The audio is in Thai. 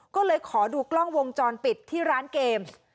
ก็เลยขอดูกล้องวงจรปิดที่ร้านเกม